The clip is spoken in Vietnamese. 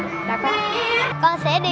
cái con đường nghệ thuật